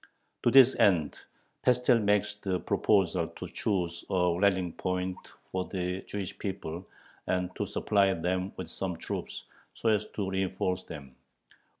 To this end Pestel makes the proposal to choose a rallying point for the Jewish people and to supply them with some troops so as to reinforce them.